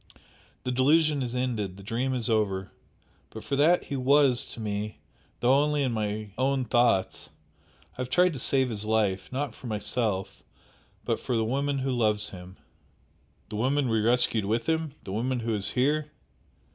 The delusion is ended the dream is over! But for that he WAS to me, though only in my own thoughts, I have tried to save his life not for myself, but for the woman who loves him." "The woman we rescued with him? the woman who is here?"